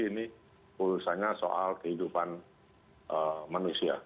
ini urusannya soal kehidupan manusia